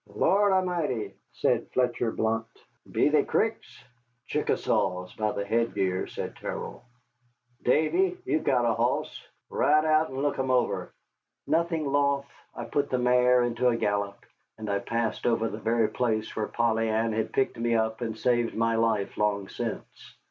"Lord A'mighty!" said Fletcher Blount, "be they Cricks?" "Chickasaws, by the headgear," said Terrell. "Davy, you've got a hoss. Ride out and look 'em over." Nothing loath, I put the mare into a gallop, and I passed over the very place where Polly Ann had picked me up and saved my life long since.